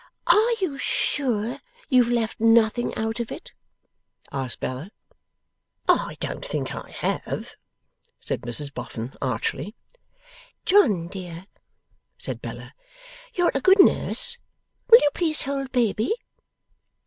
'Are you sure you have left nothing out of it?' asked Bella. 'I don't think I have,' said Mrs Boffin, archly. 'John dear,' said Bella, 'you're a good nurse; will you please hold baby?